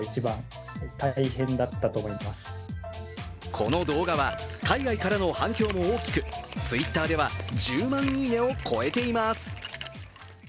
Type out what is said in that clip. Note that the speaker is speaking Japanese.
この動画は海外からの反響も大きくＴｗｉｔｔｅｒでは１０万いいねを超えています。